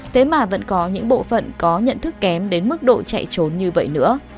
thế mà vẫn có những bộ phận có nhận thức kém đến mức độ chạy trốn như vậy nữa